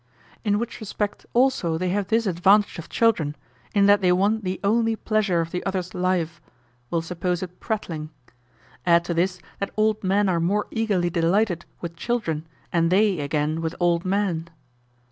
In which respect also they have this advantage of children, in that they want the only pleasure of the others' life, we'll suppose it prattling. Add to this that old men are more eagerly delighted with children, and they, again, with old men.